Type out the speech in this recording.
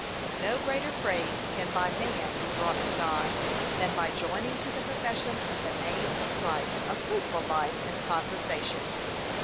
No greater praise can by man be brought to God, than by joining to the profession of the name of Christ a fruitful life and conversation.